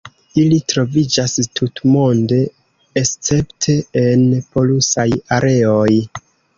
Ili troviĝas tutmonde escepte en polusaj areoj.